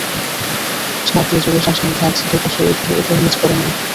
নাক দিয়ে জোরে শ্বাস নিয়ে কাঁধ দুপাশে একটু ওপর নিচ করে নিন।